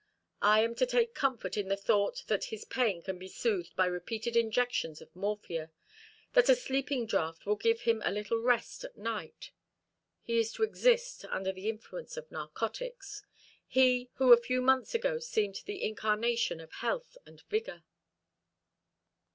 I am to take comfort in the thought that his pain can be soothed by repeated injections of morphia; that a sleeping draught will give him a little rest at night. He is to exist under the influence of narcotics; he who a few months ago seemed the incarnation of health and vigour."